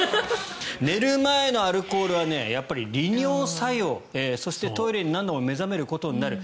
寝る前のアルコールは利尿作用そして、トイレに何度も目覚めることになる。